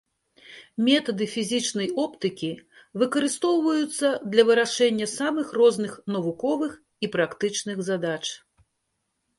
Метады фізічнай оптыкі выкарыстоўваюцца для вырашэння самых розных навуковых і практычных задач.